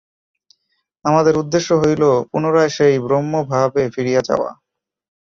আমাদের উদ্দেশ্য হইল পুনরায় সেই ব্রহ্মভাবে ফিরিয়া যাওয়া।